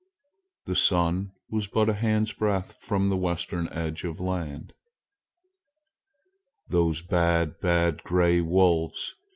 The sun was but a handsbreadth from the western edge of land. "Those, bad, bad gray wolves!